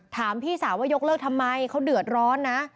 ถามพี่สาวว่ายกเลิกทำไมเขาเดือดร้อนนะ